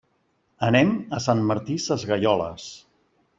Anem a Sant Martí Sesgueioles.